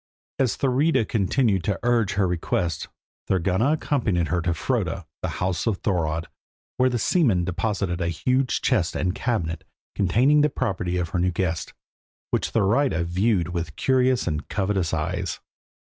As Thurida continued to urge her request, Thorgunna accompanied her to Froda, the house of Thorodd, where the seamen deposited a huge chest and cabinet, containing the property of her new guest, which Thurida viewed with curious and covetous eyes.